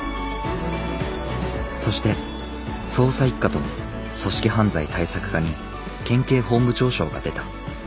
そして捜査一課と組織犯罪対策課に県警本部長賞が出た。